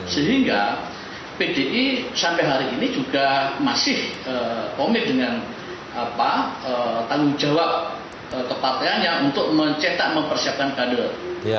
sehingga pdi sampai hari ini juga masih komit dengan tanggung jawab keparteannya untuk mencetak mempersiapkan kader